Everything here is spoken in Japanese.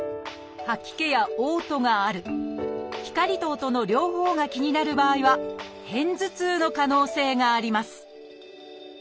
吐き気やおう吐がある光と音の両方が気になる場合は片頭痛の可能性があります